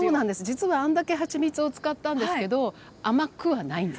実はあんだけはちみつを使ったんですけど甘くはないんですよ。